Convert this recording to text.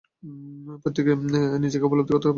প্রত্যেককে নিজে উহা উপলব্ধি করিতে হইবে।